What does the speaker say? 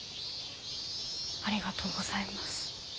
ありがとうございます。